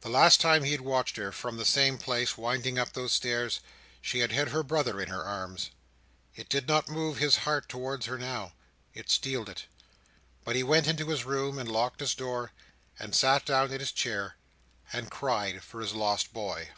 The last time he had watched her, from the same place, winding up those stairs, she had had her brother in her arms. It did not move his heart towards her now, it steeled it: but he went into his room, and locked his door, and sat down in his chair, and cried for his lost boy.